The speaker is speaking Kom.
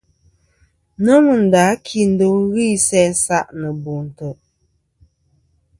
Nomɨ nda a kindo ghɨ isæ isa' nɨ bo ntè'.